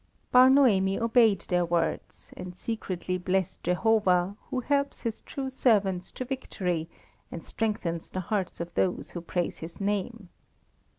Bar Noemi obeyed their words, and secretly blessed Jehovah, who helps His true servants to victory, and strengthens the hearts of those who praise His Name.